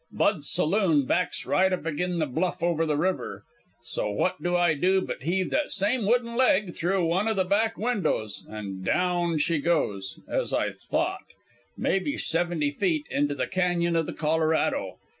Bud's saloon backs right up agin the bluff over the river. So what do I do but heave that same wooden leg through one o' the back windows, an' down she goes (as I thought) mebbe seventy feet into the cañon o' the Colorado?